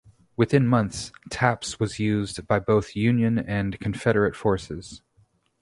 Within months "Taps" was used by both Union and Confederate forces.